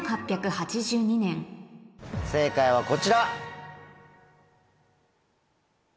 正解はこちら。